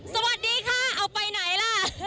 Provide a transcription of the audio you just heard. สวัสดีค่ะเอาไปไหนล่ะ